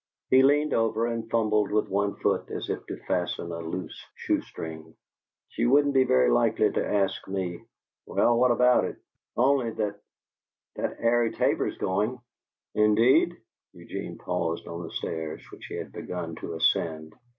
He leaned over and fumbled with one foot as if to fasten a loose shoe string. "She wouldn't be very likely to ask me." "Well, what about it?" "Only that that Arie Tabor's going." "Indeed!" Eugene paused on the stairs, which he had begun to ascend.